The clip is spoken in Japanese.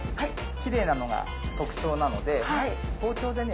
きれいなのが特徴なので包丁でね